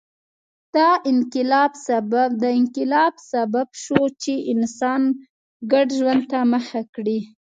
دا انقلاب سبب شو چې انسان ګډ ژوند ته مخه کړي